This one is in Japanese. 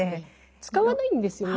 使わないんですよね。